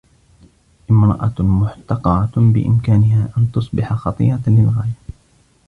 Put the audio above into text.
امرأة مُحتقَرة بإمكانها أن تصبح خطيرة للغاية.